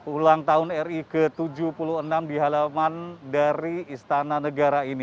ulang tahun ri ke tujuh puluh enam di halaman dari istana negara ini